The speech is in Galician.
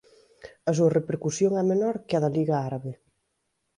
A súa repercusión é menor que a da Liga Árabe.